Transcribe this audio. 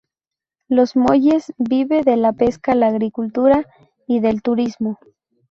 Los Molles vive de la pesca, la agricultura y del turismo.